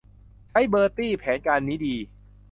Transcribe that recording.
ใช่ เบอร์ตี้ แผนการนี้ดี